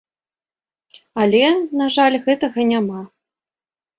Але, на жаль, гэтага няма.